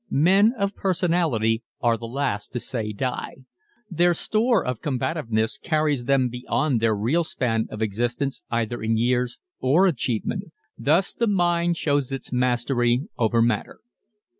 Men of personality are the last to say die. Their store of combativeness carries them beyond their real span of existence either in years or achievement. Thus, the mind shows its mastery over matter.